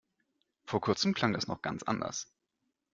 Vor kurzem klang das noch ganz anders.